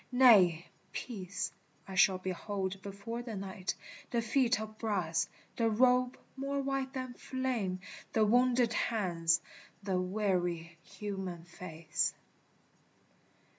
Nay, peace, I shall behold before the night, The feet of brass, the robe more white than flame, The wounded hands, the weary human face.